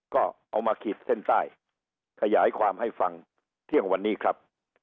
ก็เอามาขีดเส้นใต้ขยายความให้ฟังเที่ยงวันนี้ครับ